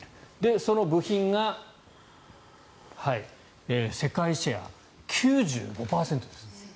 その部品が世界シェア９５％です。